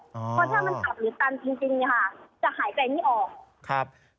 เพราะถ้ามันหลับหรือตันจริงจะหายแบบนี้ออก